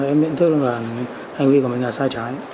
em nhận thức là hành vi của mình là sai trái